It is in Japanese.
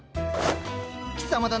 貴様だな？